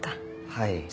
はい。